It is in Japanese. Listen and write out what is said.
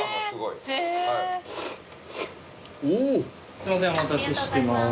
すいませんお待たせしてます。